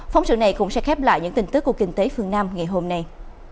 phóng sự này cũng sẽ khép lại những tin tức của kinh tế phương nam ngày hôm nay